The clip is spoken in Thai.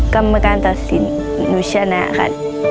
กรรมการตัดสินหนูชนะค่ะ